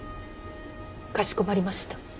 かしこまりました。